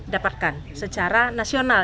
dapatkan secara nasional